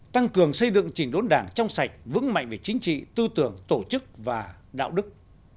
tăng cường xây dựng chỉnh đốn đảng trong sạch vững mạnh về chính trị tư tưởng tổ chức và đạo đức